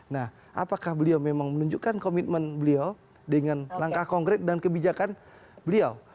nah apakah beliau memang menunjukkan komitmen beliau dengan langkah konkret dan kebijakan beliau